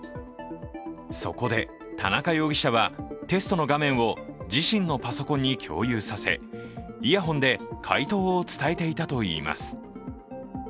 そこで田中容疑者は、テストの画面を自身のパソコンに共有させイヤホンで解答を伝えていたといいます。